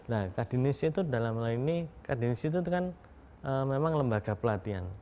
nah kadin institute dalam hal ini kadin institute kan memang lembaga pelatihan